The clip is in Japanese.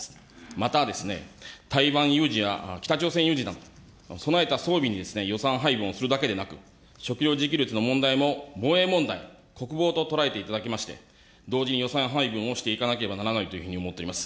またですね、台湾有事や北朝鮮有事など、備えた装備に予算配分をするだけでなく、食料自給率の問題も、防衛問題、国防と捉えていただきまして、同時に予算配分をしていかなければならないというふうに思っております。